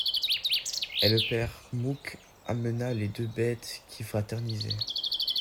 Et le père Mouque emmena les deux bêtes qui fraternisaient.